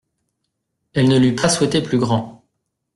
Elle ne l'eût pas souhaité plus grand.